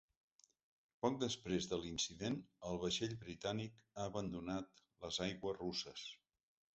Poc després de l’incident, el vaixell britànic ha abandonat les aigües russes.